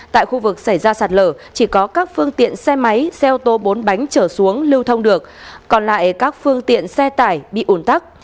tại khu vực xảy ra sạt lở chỉ có các phương tiện xe máy xe ô tô bốn bánh chở xuống lưu thông được còn lại các phương tiện xe tải bị ủn tắc